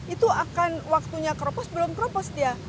itu akan waktunya teropos belum teropos dia